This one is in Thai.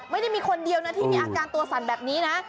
ไม่ได้มีคนเดียวนะที่มีอาการตัวสั่นแบบนี้นะ